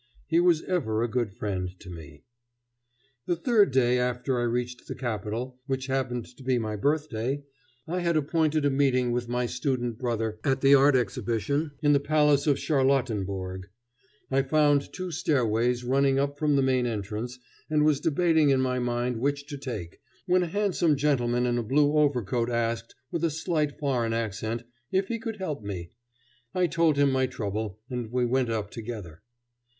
He was ever a good friend to me. [Illustration: My Childhood's Home] The third day after I reached the capital, which happened to be my birthday, I had appointed a meeting with my student brother at the art exhibition in the palace of Charlottenborg. I found two stairways running up from the main entrance, and was debating in my mind which to take, when a handsome gentleman in a blue overcoat asked, with a slight foreign accent, if he could help me. I told him my trouble, and we went up together.